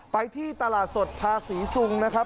ไปที่ตลาดสดภาษีซุงนะครับ